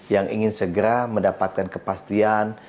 yang ingin segera mendapatkan kepastian